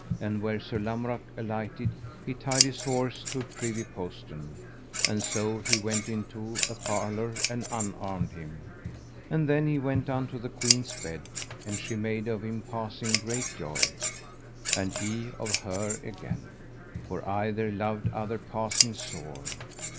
And where Sir Lamorak alighted he tied his horse to a privy postern, and so he went into a parlour and unarmed him; and then he went unto the queen's bed, and she made of him passing great joy, and he of her again, for either loved other passing sore.